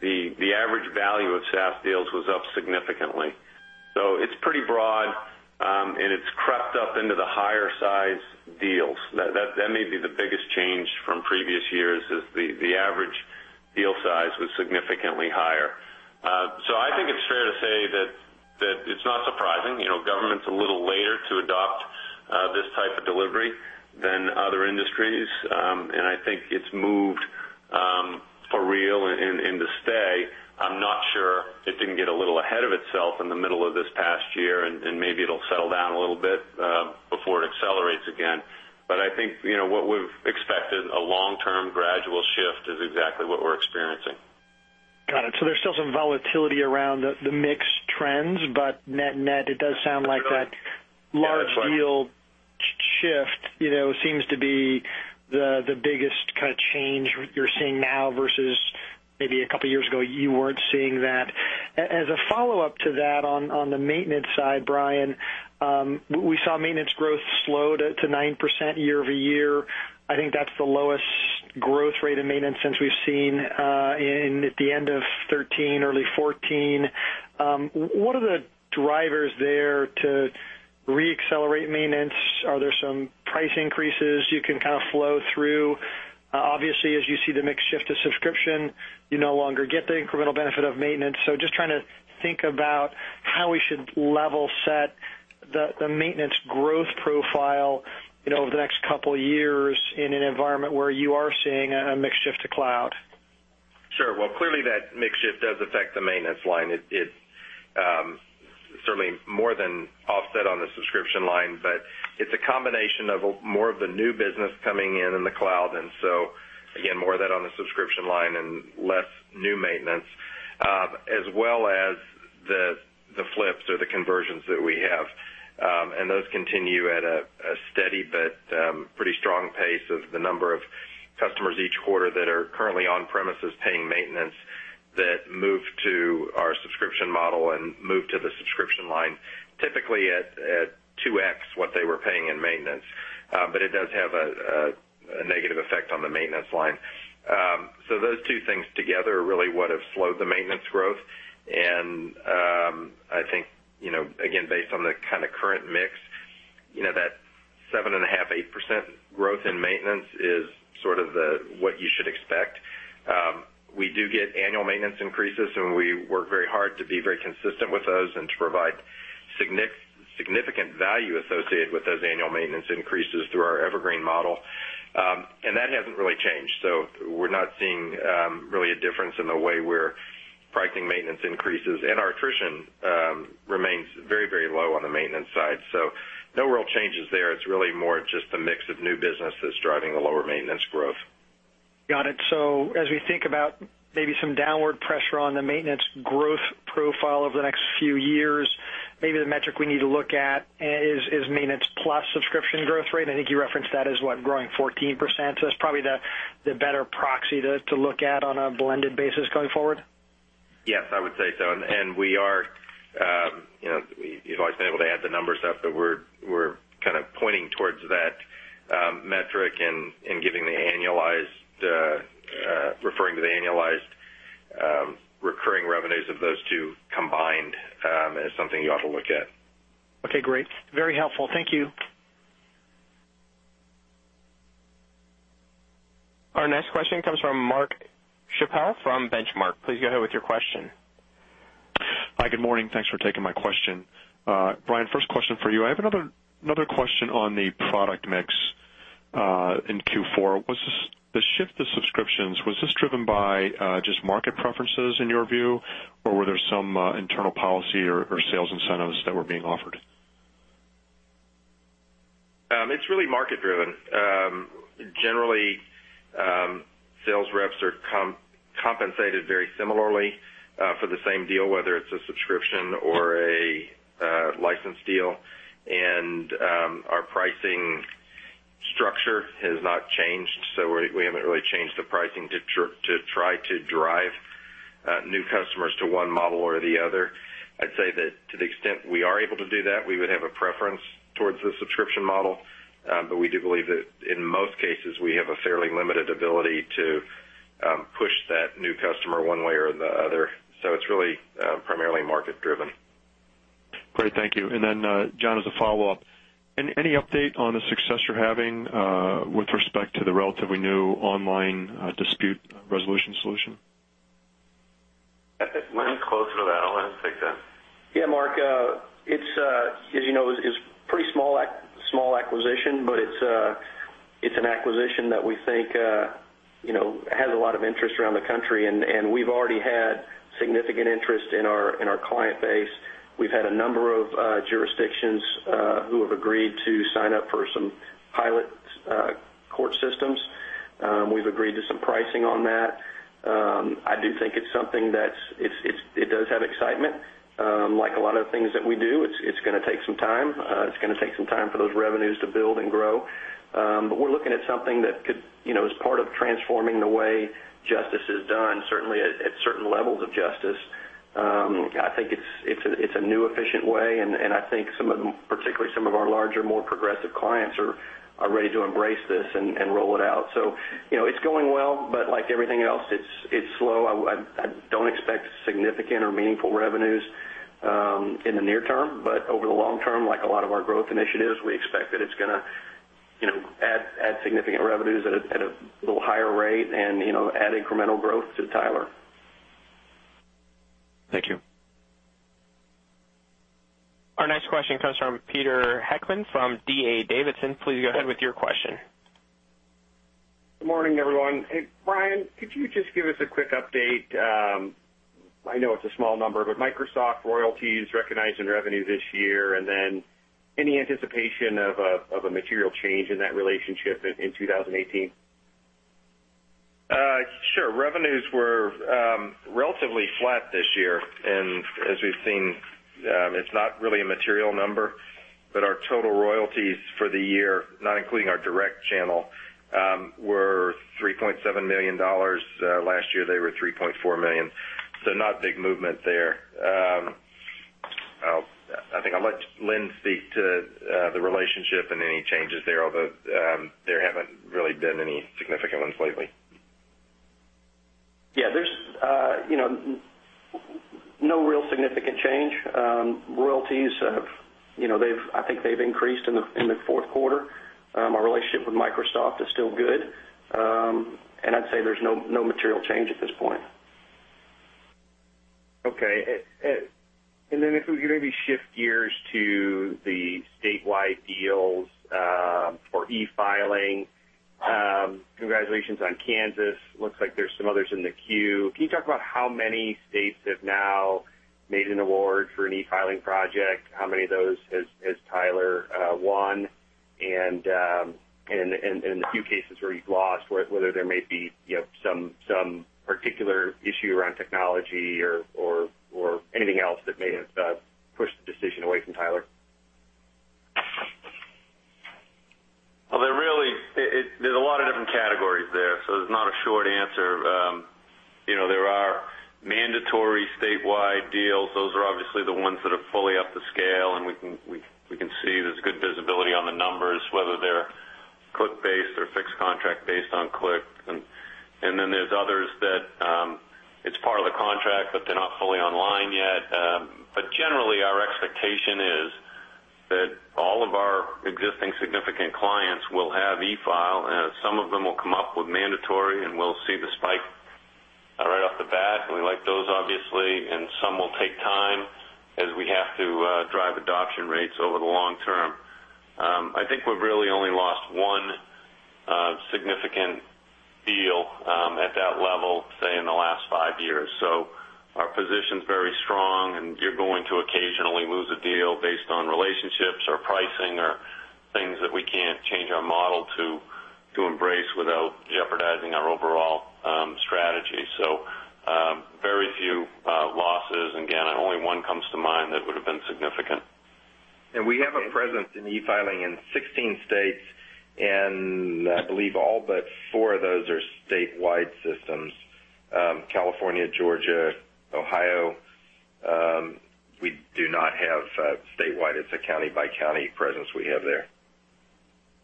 the average value of SaaS deals was up significantly. It's pretty broad, and it's crept up into the higher size deals. That may be the biggest change from previous years, is the average deal size was significantly higher. I think it's fair to say that it's not surprising. Government's a little later to adopt this type of delivery than other industries. I think it's moved for real and to stay. I'm not sure. It didn't get a little ahead of itself in the middle of this past year, and maybe it'll settle down a little bit before it accelerates again. I think, what we've expected, a long-term gradual shift is exactly what we're experiencing. Got it. There's still some volatility around the mix trends, but net, it does sound like. That's right large deal shift seems to be the biggest change you're seeing now versus maybe a couple of years ago, you weren't seeing that. As a follow-up to that, on the maintenance side, Brian, we saw maintenance growth slow to 9% year-over-year. I think that's the lowest growth rate in maintenance since we've seen at the end of 2013, early 2014. What are the drivers there to re-accelerate maintenance? Are there some price increases you can flow through? Obviously, as you see the mix shift to subscription, you no longer get the incremental benefit of maintenance. Just trying to think about how we should level set the maintenance growth profile over the next couple of years in an environment where you are seeing a mix shift to cloud. Sure. Clearly that mix shift does affect the maintenance line. It certainly more than offset on the subscription line, but it's a combination of more of the new business coming in in the cloud. Again, more of that on the subscription line and less new maintenance, as well as the flips or the conversions that we have. And those continue at a steady but pretty strong pace of the number of customers each quarter that are currently on-premises paying maintenance that move to our subscription model and move to the subscription line, typically at 2X what they were paying in maintenance. It does have a negative effect on the maintenance line. Those two things together are really what have slowed the maintenance growth. I think, again, based on the kind of current mix, that 7.5%-8% growth in maintenance is sort of what you should expect. We do get annual maintenance increases, and we work very hard to be very consistent with those and to provide significant value associated with those annual maintenance increases through our evergreen model. That hasn't really changed. We're not seeing really a difference in the way we're pricing maintenance increases. Our attrition remains very low on the maintenance side. No real changes there. It's really more just the mix of new business that's driving the lower maintenance growth. Got it. As we think about maybe some downward pressure on the maintenance growth profile over the next few years, maybe the metric we need to look at is maintenance plus subscription growth rate. I think you referenced that as, what, growing 14%. That's probably the better proxy to look at on a blended basis going forward. Yes, I would say so. You've always been able to add the numbers up, but we're kind of pointing towards that metric and giving the annualized, referring to the annualized recurring revenues of those two combined as something you ought to look at. Okay, great. Very helpful. Thank you. Our next question comes from Mark Schappel from Benchmark. Please go ahead with your question. Hi, good morning. Thanks for taking my question. Brian, first question for you. I have another question on the product mix in Q4. The shift to subscriptions, was this driven by just market preferences in your view, or were there some internal policy or sales incentives that were being offered? It's really market driven. Generally, sales reps are compensated very similarly for the same deal, whether it's a subscription or a license deal. Our pricing structure has not changed. We haven't really changed the pricing to try to drive new customers to one model or the other. I'd say that to the extent we are able to do that, we would have a preference towards the subscription model. We do believe that in most cases, we have a fairly limited ability to push that new customer one way or the other. It's really primarily market-driven. Great. Thank you. Then, John, as a follow-up, any update on the success you're having with respect to the relatively new Online Dispute Resolution solution? I think Lynn's closer to that. I'll let him take that. Yeah, Mark. As you know, it's a pretty small acquisition, but it's an acquisition that we think has a lot of interest around the country. We've already had significant interest in our client base. We've had a number of jurisdictions who have agreed to sign up for some pilot court systems. We've agreed to some pricing on that. I do think it does have excitement. Like a lot of things that we do, it's going to take some time. It's going to take some time for those revenues to build and grow. We're looking at something that is part of transforming the way justice is done, certainly at certain levels of justice. I think it's a new, efficient way, I think particularly some of our larger, more progressive clients are ready to embrace this and roll it out. It's going well, like everything else, it's slow. I don't expect significant or meaningful revenues in the near term, over the long term, like a lot of our growth initiatives, we expect that it's going to add significant revenues at a little higher rate and add incremental growth to Tyler. Thank you. Our next question comes from Peter Heckmann from D.A. Davidson. Please go ahead with your question. Good morning, everyone. Hey, Brian, could you just give us a quick update? I know it's a small number, but Microsoft royalties recognized in revenue this year, and then any anticipation of a material change in that relationship in 2018? Sure. Revenues were relatively flat this year, and as we've seen, it's not really a material number. Our total royalties for the year, not including our direct channel, were $3.7 million. Last year, they were $3.4 million. Not big movement there. I think I'll let Lynn speak to the relationship and any changes there, although there haven't really been any significant ones lately. Yeah, there's no real significant change. Royalties, I think they've increased in the fourth quarter. Our relationship with Microsoft is still good. I'd say there's no material change at this point. Okay. If we maybe shift gears to the statewide deals for e-filing. Congratulations on Kansas. Looks like there's some others in the queue. Can you talk about how many states have now made an award for an e-filing project? How many of those has Tyler won? In the few cases where you've lost, whether there may be some particular issue around technology or anything else that may have pushed the decision away from Tyler? Well, there's a lot of different categories there's not a short answer. There are mandatory statewide deals. Those are obviously the ones that are fully up to scale, we can see there's good visibility on the numbers, whether they're click-based or fixed contract based on click. There's others that it's part of the contract, but they're not fully online yet. Generally, our expectation is that all of our existing significant clients will have e-file, some of them will come up with mandatory, we'll see the spike right off the bat. We like those, obviously, some will take time as we have to drive adoption rates over the long term. I think we've really only lost one significant deal at that level, say, in the last five years. Our position's very strong, you're going to occasionally lose a deal based on relationships or pricing or things that we can't change our model to embrace without jeopardizing our overall strategy. Very few losses. Again, only one comes to mind that would've been significant. We have a presence in e-filing in 16 states, I believe all but four of those are statewide systems. California, Georgia, Ohio, we do not have statewide. It's a county-by-county presence we have there.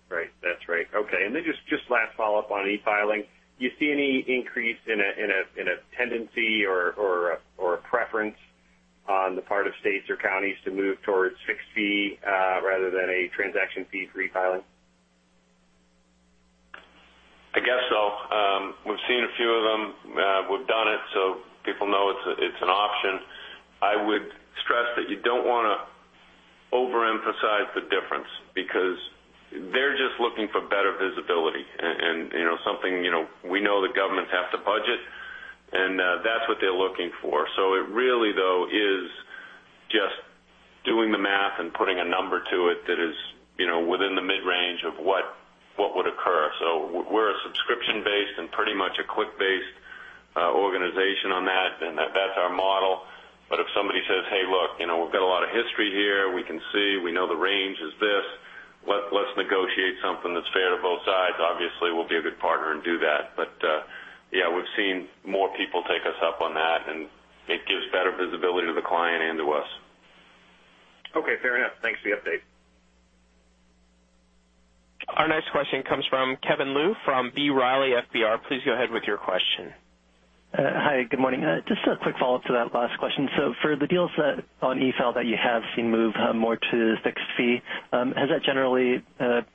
Right. That's right. Okay. Just last follow-up on e-filing. Do you see any increase in a tendency or a preference on the part of states or counties to move towards fixed fee rather than a transaction fee for e-filing? I guess so. We've seen a few of them. We've done it, so people know it's an option. I would stress that you don't want to overemphasize the difference, because they're just looking for better visibility and We know that governments have to budget, and that's what they're looking for. It really, though, is just doing the math and putting a number of what would occur. We're a subscription-based and pretty much a click-based organization on that, and that's our model. If somebody says, "Hey, look, we've got a lot of history here. We can see, we know the range is this. Let's negotiate something that's fair to both sides," obviously, we'll be a good partner and do that. Yeah, we've seen more people take us up on that, and it gives better visibility to the client and to us. Okay, fair enough. Thanks for the update. Our next question comes from Kevin Liu from B. Riley FBR. Please go ahead with your question. Hi, good morning. Just a quick follow-up to that last question. For the deals that on e-file that you have seen move more to the fixed fee, has that generally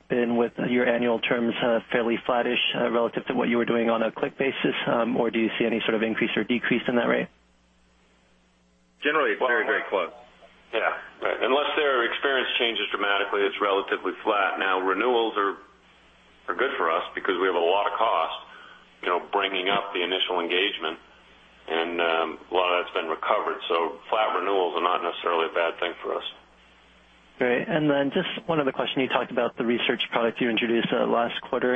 been with your annual terms fairly flattish relative to what you were doing on a click basis? Do you see any sort of increase or decrease in that rate? Generally very, very close. Yeah. Right. Unless their experience changes dramatically, it's relatively flat. Renewals are good for us because we have a lot of cost bringing up the initial engagement, and a lot of that's been recovered. Flat renewals are not necessarily a bad thing for us. Great. Just one other question. You talked about the research product you introduced last quarter.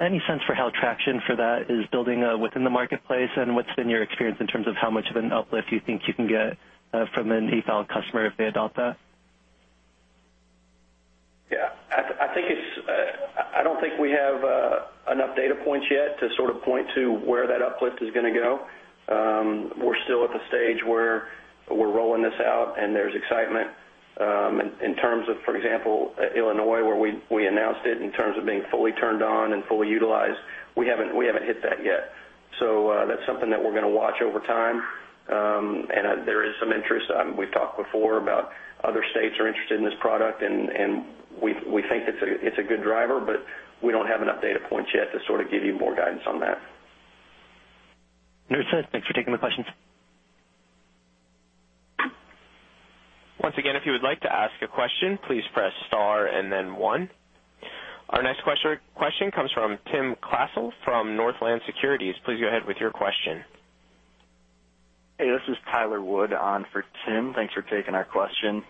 Any sense for how traction for that is building within the marketplace? What's been your experience in terms of how much of an uplift you think you can get from an e-file customer if they adopt that? Yeah. I don't think we have enough data points yet to sort of point to where that uplift is going to go. We're still at the stage where we're rolling this out, and there's excitement. In terms of, for example, Illinois, where we announced it, in terms of being fully turned on and fully utilized, we haven't hit that yet. That's something that we're going to watch over time. There is some interest. We've talked before about other states are interested in this product, and we think it's a good driver, but we don't have enough data points yet to sort of give you more guidance on that. Understood. Thanks for taking the questions. Once again, if you would like to ask a question, please press star and then one. Our next question comes from Tim Klasell from Northland Securities. Please go ahead with your question. Hey, this is Tyler Wood on for Tim. Thanks for taking our question.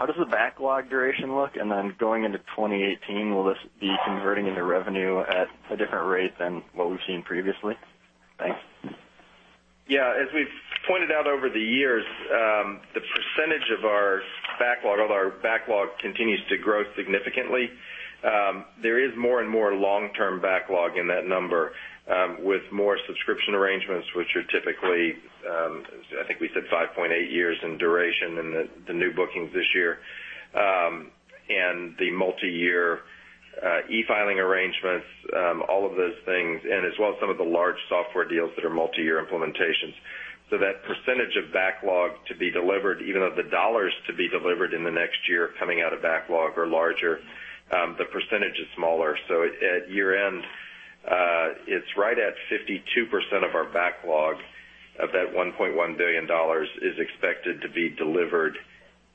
How does the backlog duration look? Going into 2018, will this be converting into revenue at a different rate than what we've seen previously? Thanks. As we've pointed out over the years, the percentage of our backlog, although our backlog continues to grow significantly, there is more and more long-term backlog in that number with more subscription arrangements, which are typically, I think we said 5.8 years in duration in the new bookings this year. The multi-year e-filing arrangements, all of those things, as well as some of the large software deals that are multi-year implementations. That percentage of backlog to be delivered, even though the dollars to be delivered in the next year coming out of backlog are larger, the percentage is smaller. At year-end, it's right at 52% of our backlog of that $1.1 billion is expected to be delivered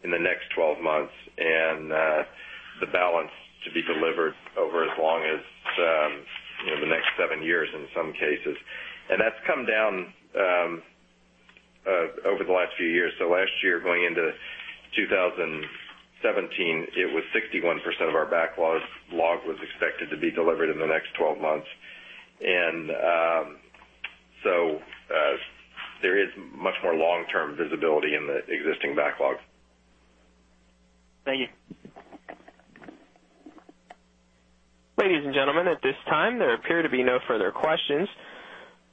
in the next 12 months, and the balance to be delivered over as long as the next 7 years in some cases. That's come down over the last few years. Last year, going into 2017, it was 61% of our backlog was expected to be delivered in the next 12 months. There is much more long-term visibility in the existing backlog. Thank you. Ladies and gentlemen, at this time, there appear to be no further questions.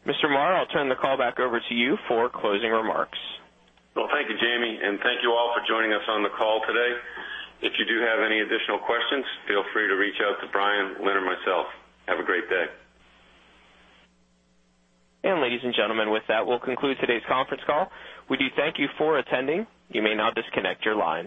Mr. Marr, I'll turn the call back over to you for closing remarks. Well, thank you, Jamie, and thank you all for joining us on the call today. If you do have any additional questions, feel free to reach out to Brian, Lynn, or myself. Have a great day. Ladies and gentlemen, with that, we'll conclude today's conference call. We do thank you for attending. You may now disconnect your lines.